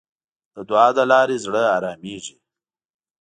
د دعا له لارې زړه آرامېږي.